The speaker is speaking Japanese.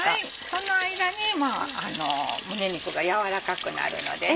その間に胸肉が軟らかくなるのでね。